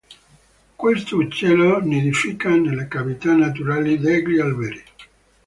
Questo uccello nidifica nelle cavità naturali degli alberi.